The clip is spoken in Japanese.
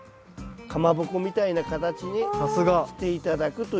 かまぼこみたいな形にして頂くという。